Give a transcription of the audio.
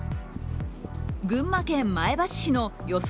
群馬県前橋市の予想